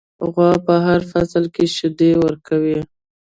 غوا په هر فصل کې شیدې ورکوي.